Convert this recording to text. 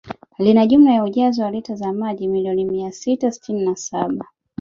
Lina jumla ya ujazo wa lita za maji milioni mia sita sitini na saba